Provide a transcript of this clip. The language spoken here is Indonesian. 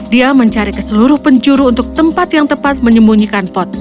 dia mencari keseluruh penjuru untuk tempat yang tepat menyembunyikan pot